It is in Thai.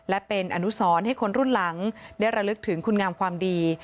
และเป็นอนุสรให้คนรุ่นหลังได้ระลึกถึงคุณงามความดี